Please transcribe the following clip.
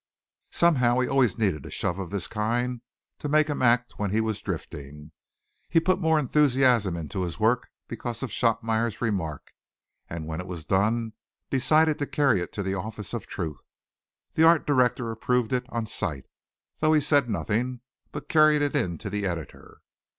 Somehow he always needed a shove of this kind to make him act when he was drifting. He put more enthusiasm into his work because of Shotmeyer's remark, and when it was done decided to carry it to the office of Truth. The Art Director approved it on sight, though he said nothing, but carried it in to the Editor.